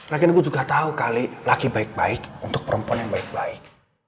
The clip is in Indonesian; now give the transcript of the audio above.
laki negu juga tahu kali laki baik baik untuk perempuan yang baik baik